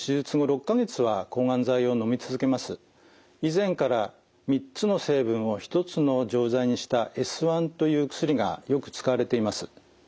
以前から３つの成分を１つの錠剤にしたＳ−１という薬がよく使われています。